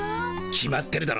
決まってるだろ。